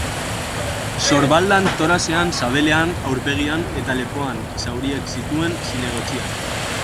Sorbaldan, toraxean, sabelean, aurpegian eta lepoan zauriak zituen zinegotziak.